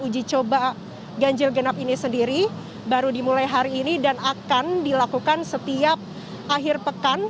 uji coba ganjil genap ini sendiri baru dimulai hari ini dan akan dilakukan setiap akhir pekan